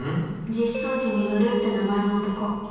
実相寺実って名前の男